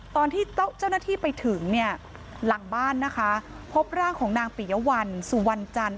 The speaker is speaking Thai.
ตอนที่เจ้าหน้าที่ไปถึงเนี่ยหลังบ้านนะคะพบร่างของนางปิยวัลสุวรรณจันทร์